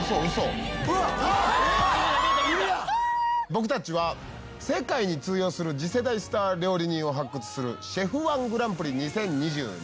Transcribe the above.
僕たちは世界に通用する次世代スター料理人を発掘する『ＣＨＥＦ−１グランプリ２０２２』。